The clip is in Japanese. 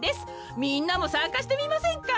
みんなもさんかしてみませんか？